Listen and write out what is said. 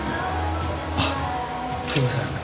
あっすいません。